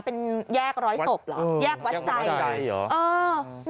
เป็นแยกร้อยศพเหรอแยกวัดใจใหญ่เหรอ